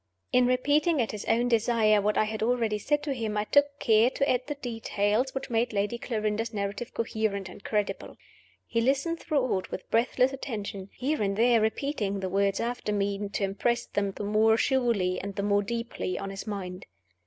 In repeating, at his own desire, what I had already said to him, I took care to add the details which made Lady Clarinda's narrative coherent and credible. He listened throughout with breathless attention here and there repeating the words after me, to impress them the more surely and the more deeply on his mind.